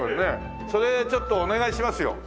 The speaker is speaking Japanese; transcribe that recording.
それちょっとお願いしますよ。